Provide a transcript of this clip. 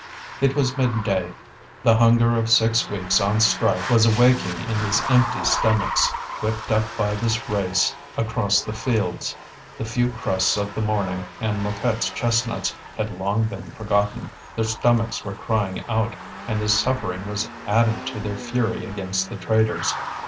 It was midday; the hunger of six weeks on strike was awaking in these empty stomachs, whipped up by this race across the fields. The few crusts of the morning and Mouquette's chestnuts had long been forgotten; their stomachs were crying out, and this suffering was added to their fury against the traitors.